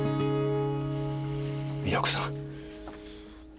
美和子さん。